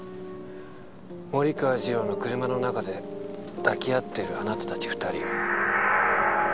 森川次郎の車の中で抱き合っているあなたたち２人を。